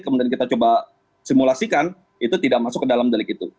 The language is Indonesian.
kemudian kita coba simulasikan itu tidak masuk ke dalam delik itu